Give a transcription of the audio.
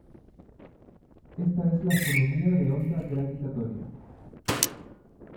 Esta es la astronomía de onda gravitatoria.